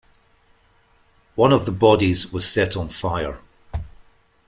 One of the bodies was set on fire.